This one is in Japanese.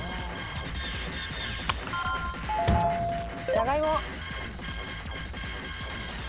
じゃがいも。